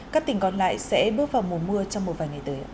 các tỉnh còn lại sẽ bước vào mùa mưa trong một vài ngày tới